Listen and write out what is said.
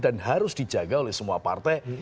dan harus dijaga oleh semua partai